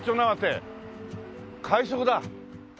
快速だ。